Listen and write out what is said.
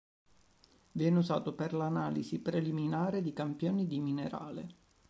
Viene usato per l'analisi preliminare di campioni di minerale.